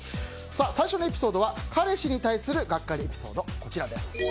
最初のエピソードは彼氏に対するガッカリエピソード。